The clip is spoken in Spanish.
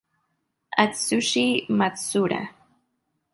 Atsushi Matsuura